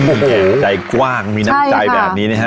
โอ้โหใจกว้างมีน้ำใจแบบนี้นะฮะ